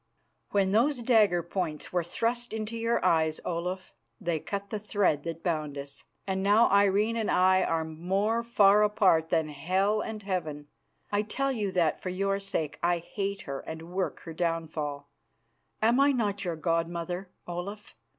"When those dagger points were thrust into your eyes, Olaf, they cut the thread that bound us, and now Irene and I are more far apart than hell and heaven. I tell you that for your sake I hate her and work her downfall. Am I not your god mother, Olaf?"